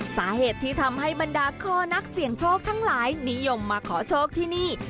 สาเหตุที่ทำให้บรรดาคอนักเสี่ยงโชคทั้งหลายนิยมมาขอโชคที่นี่